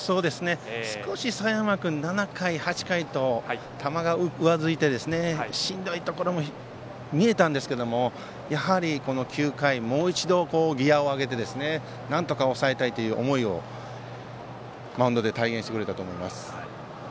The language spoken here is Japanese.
少し佐山君、７回、８回と球が上ずってしんどいところも見えたんですけどやはり９回、もう一度ギヤを上げてなんとか抑えたいという思いをマウンドで体現してくれたと思います。